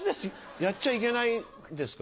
やっちゃいけないんですか？